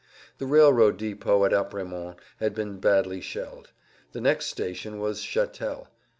The railroad depot at Apremont had been badly shelled; the next station was Chatel.